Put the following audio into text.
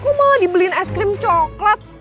kok malah dibeliin ice cream coklat